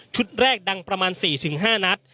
แรกดังประมาณ๔๕นัด